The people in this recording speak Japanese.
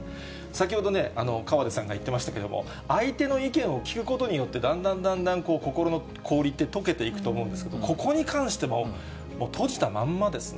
先ほどね、河出さんが言ってましたけども、相手の意見を聞くことによって、だんだんだんだん、心の氷ってとけていくと思うんですけれども、ここに関しても閉じたまんまですね。